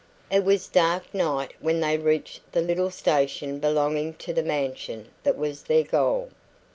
It was dark night when they reached the little station belonging to the mansion that was their goal.